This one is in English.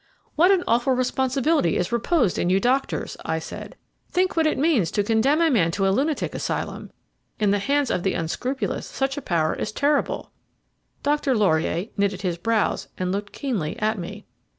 "What an awful responsibility is reposed in you doctors!" I said. "Think what it means to condemn a man to a lunatic asylum. In the hands of the unscrupulous such a power is terrible." Dr. Laurier knitted his brows, and looked keenly at me.